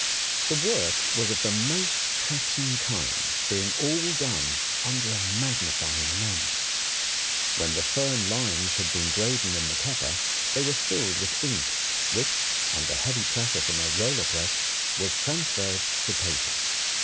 The work was of the most taxing kind, being all done under a magnifying lens. When the firm lines had been graven in the copper they were filled with ink, which under heavy pressure from a roller press was transferred to paper.